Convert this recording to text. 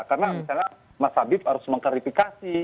karena misalnya mas habib harus mengkarifikasi